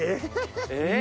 えっ。